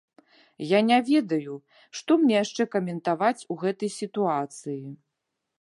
Я не ведаю, што мне яшчэ каментаваць у гэтай сітуацыі.